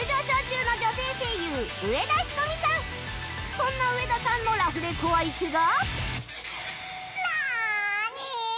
そんな上田さんのラフレコ相手が